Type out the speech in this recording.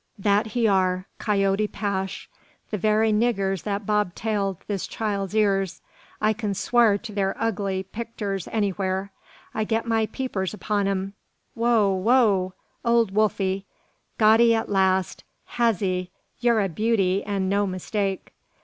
"That he are, Coyote 'Pash, the very niggurs that bobtailed this child's ears. I kin swar to thur ugly picters anywhur I get my peepers upon 'em. Wouwough ole woofy! got 'ee at last, has he! Yur a beauty, an' no mistake."